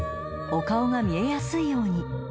［お顔が見えやすいように］